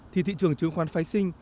thì thị trường chứng khoán phái sinh